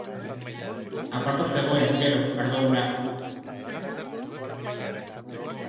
Aparta zegoen, gero, ardo hura!